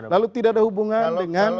lalu tidak ada hubungan dengan